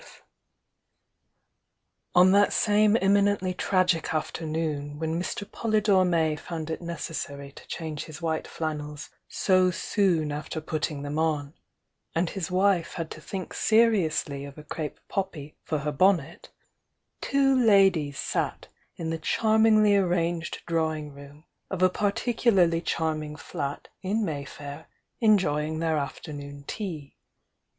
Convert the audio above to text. CHAPTER V On that same eminently tragic afternoon when Mr. Polydore May found it necessary to change his white flannels so soon after putting them on, and his wife had to think seriously of a crape poppy for her bonnet, two ladies sat in the charmingjy ar ranged drawing room of a particularly charming flat in Mayfair enjoying their afternoon tea.